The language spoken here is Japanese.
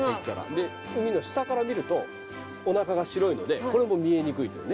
で海の下から見るとおなかが白いのでこれも見えにくいと。